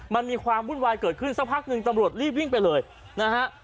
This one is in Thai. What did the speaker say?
มันมีความวุ่นวายเกิดขึ้นสักพักหนึ่งตำรวจรีบวิ่งไปเลยนะฮะ